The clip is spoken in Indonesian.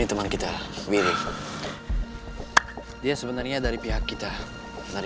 itu afiknya aku malem